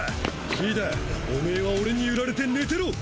リーダーおめは俺に揺られて寝てろ。